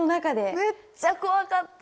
めっちゃ怖かった！